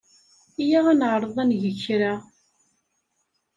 Iyya ad neɛreḍ ad neg kra.